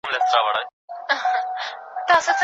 روغتیا د انسان د ارام او فعال ژوند لپاره اساسي اړتیا ده.